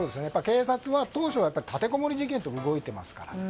警察は当初は立てこもり事件として動いていますから。